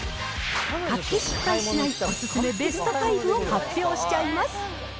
買って失敗しないお勧めベスト５を発表しちゃいます。